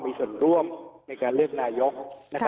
มีส่วนร่วมในการเลือกนายก